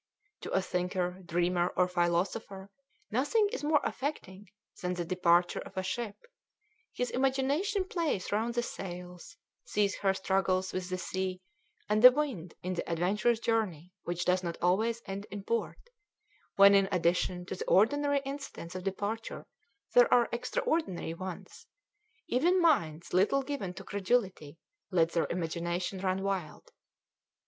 To a thinker, dreamer, or philosopher nothing is more affecting than the departure of a ship; his imagination plays round the sails, sees her struggles with the sea and the wind in the adventurous journey which does not always end in port; when in addition to the ordinary incidents of departure there are extraordinary ones, even minds little given to credulity let their imagination run wild.